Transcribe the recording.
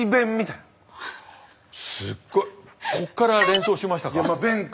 すっごいこっから連想しましたか？